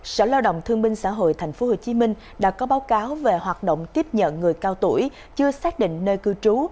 sở lao động thương minh xã hội tp hcm đã có báo cáo về hoạt động tiếp nhận người cao tuổi chưa xác định nơi cư trú